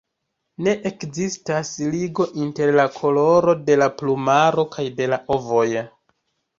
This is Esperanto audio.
Ne ekzistas ligo inter la koloro de la plumaro kaj de la ovoj.